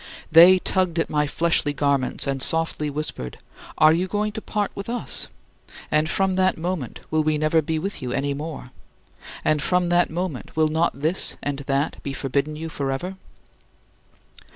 They tugged at my fleshly garments and softly whispered: "Are you going to part with us? And from that moment will we never be with you any more? And from that moment will not this and that be forbidden you forever?"